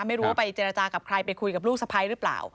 ไม่รู้ว่าไปเจรจากับใครไปคุยกับลูกสะพ้ายหรือเปล่า